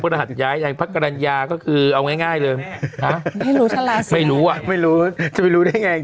พระทหัสย้ายทรักษ์กรรณญาก็คือเอาง่ายเลยไม่รู้เอายัง